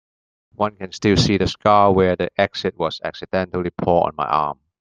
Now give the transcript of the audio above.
One can still see the scar where the acid was accidentally poured on my arm.